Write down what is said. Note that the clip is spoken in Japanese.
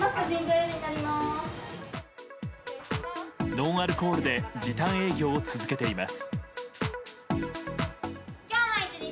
ノンアルコールで時短営業を続けています。